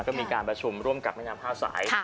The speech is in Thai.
ก็มีการประชุมร่วมกับแม่น้ำห้าสาย